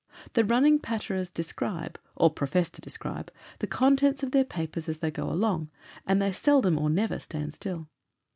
The running patterers describe, or profess to describe, the contents of their papers as they go along, and they seldom or never stand still.